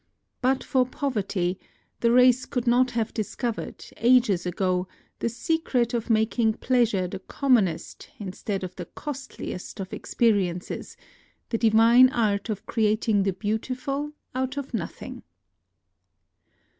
But for poverty, the race could not have discovered, ages ago, the secret of mak ing pleasure the commonest instead of the costliest of experiences, — the divine art of creating the beautiful out of nothing